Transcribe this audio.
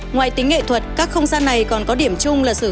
ngoài tính nghệ thuật các không gian này còn có điểm chung là sử dụng